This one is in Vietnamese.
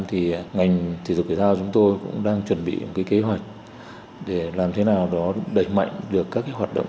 thì ngành thể thao chúng tôi cũng đang chuẩn bị một kế hoạch để làm thế nào đó đẩy mạnh được các hoạt động